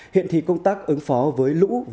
hiện thì công tác ứng phó với lũ